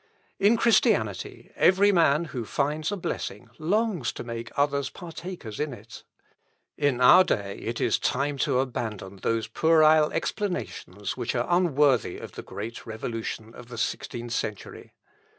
In Christianity, every man who finds a blessing longs to make others partakers in it. In our day it is time to abandon those puerile explanations which are unworthy of the great revolution of the sixteenth century.